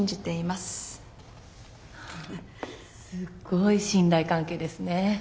すっごい信頼関係ですね。